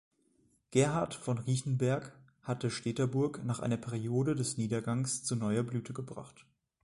Gerhard von Riechenberg hatte Steterburg nach einer Periode des Niedergangs zu neuer Blüte gebracht.